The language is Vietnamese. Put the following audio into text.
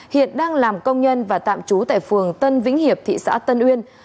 hiện đang làm công nhân và tạm trú tại phường tân vĩnh hiệp thị xã tân uyên